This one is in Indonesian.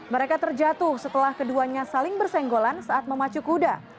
mereka terjatuh setelah keduanya saling bersenggolan saat memacu kuda